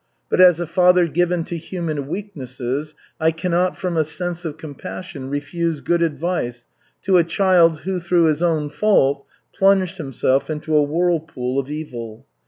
But as a father given to human weaknesses, I cannot, from a sense of compassion, refuse good advice to a child who, through his own fault, plunged himself into a whirlpool of evil.